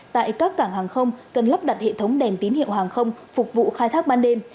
tại các cảng hàng không cần lắp đặt hệ thống đèn tín hiệu hàng không phục vụ khai thác ban đêm